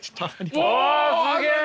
おおすげえ！